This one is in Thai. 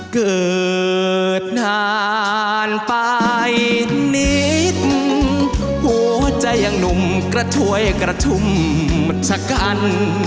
เกิดนานไปนิดหัวใจยังหนุ่มกระถวยกระชุ่มหมดชะกัน